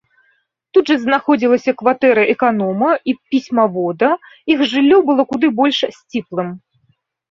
Тут жа знаходзілася кватэра эканома і пісьмавода, іх жыллё было куды больш сціплым.